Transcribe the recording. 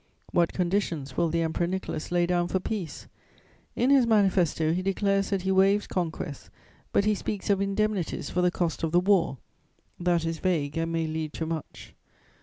"What conditions will the Emperor Nicholas lay down for peace? "In his manifesto, he declares that he waives conquests, but he speaks of indemnities for the cost of the war: that is vague and may lead to much.